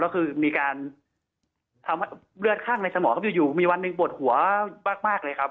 ก็คือมีการทำให้เลือดข้างในสมองครับอยู่มีวันหนึ่งปวดหัวมากเลยครับ